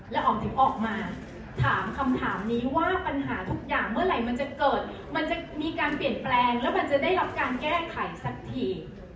แล้วหอมถึงออกมาถามคำถามนี้ว่าปัญหาทุกอย่างเมื่อไหร่มันจะเกิดมันจะมีการเปลี่ยนแปลงแล้วมันจะได้รับการแก้ไขสักที